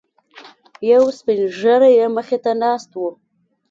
یو سپینږیری یې مخې ته ناست و.